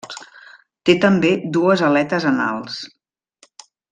Té també dues aletes anals.